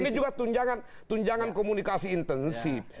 ini juga tunjangan komunikasi intensif